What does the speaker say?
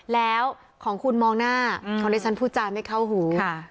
แล้วของคุณมองหน้าอืมของเดชนพูดจานไม่เข้าหูค่ะ